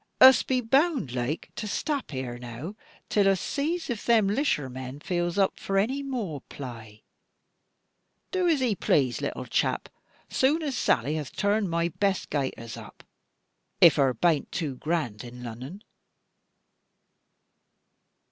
Us be bound laike to stap here now till us zees if them 'lisher men feels up for any moor plai. Do as 'e plase, little chap, zoon as Sally hath toorned my best gaiters up, if her bain't too grand in Lunnon."